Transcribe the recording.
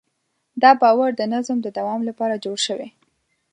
دا باور د نظم د دوام لپاره جوړ شوی.